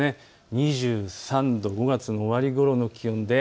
２３度、５月の終わりごろの気温です。